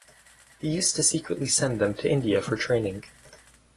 He used to secretly send them to India for training.